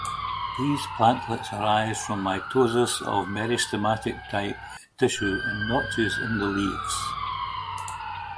These plantlets arise from mitosis of meristematic-type tissue in notches in the leaves.